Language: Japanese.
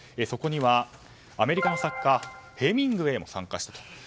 そこにはアメリカの作家ヘミングウェイも参加したと。